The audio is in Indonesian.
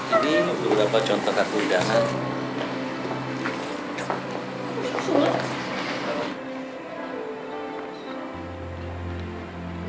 ini untuk beberapa contoh kartu hidangan